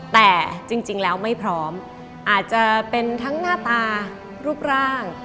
แต่จริงแล้วไม่พร้อมอาจจะเป็นทั้งหน้าตารูปร่าง